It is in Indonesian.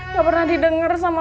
ga pernah didenger sama